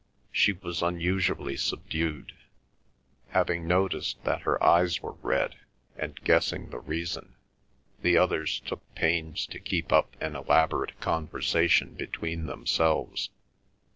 She was unusually subdued. Having noticed that her eyes were red, and guessing the reason, the others took pains to keep up an elaborate conversation between themselves.